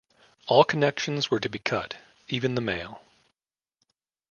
All connections were to be cut, even the mail.